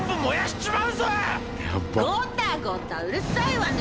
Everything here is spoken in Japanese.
ゴタゴタうるさいわね！